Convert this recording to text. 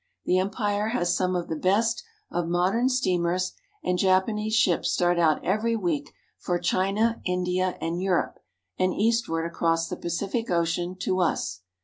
The empire has some of the best of modern steamers, and Japanese ships start out every week for China, India, and Europe, and eastward across the TOKYO 35 Pacific Ocean to us.